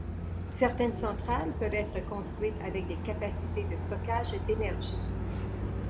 Certaines centrales peuvent être construites avec des capacités de stockage d’énergie.